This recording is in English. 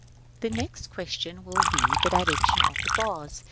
§ VI. The next question will be the direction of the bars.